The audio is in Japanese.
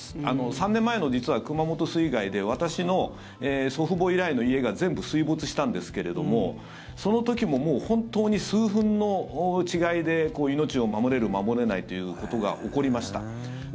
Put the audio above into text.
３年前の実は、熊本水害で私の祖父母以来の家が全部水没したんですけれどもその時ももう本当に数分の違いで命を守れる守れないということが起こりました。